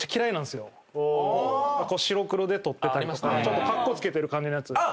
白黒で撮ってたりとかちょっとカッコつけてる感じのやつ。